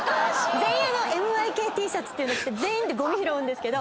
全員ＭＹＫＴシャツっていうの着て全員でゴミ拾うんですけど。